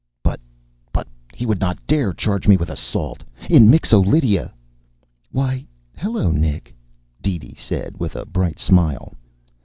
"But but he would not dare charge me with assault. In Mixo Lydia " "Why, hello, Nick," DeeDee said, with a bright smile.